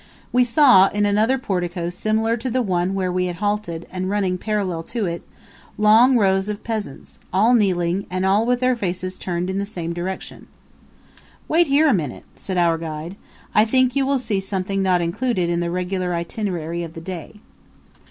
We saw, in another portico similar to the one where we had halted and running parallel to it, long rows of peasants, all kneeling and all with their faces turned in the same direction. "Wait here a minute," said our guide. "I think you will see something not included in the regular itinerary of the day."